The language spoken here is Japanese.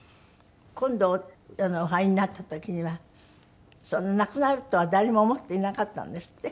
今度お入りになった時には亡くなるとは誰も思っていなかったんですって？